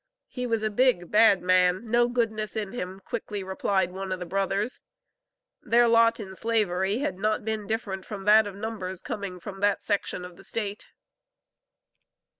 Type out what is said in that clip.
"He was a big, bad man, no goodness in him," quickly replied one of the brothers. Their lot in Slavery had not been different from that of numbers coming from that section of the State.